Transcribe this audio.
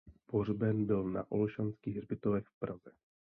Pohřben byl na Olšanských hřbitovech v Praze.